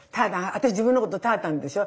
私自分のこと「たーたん」でしょう？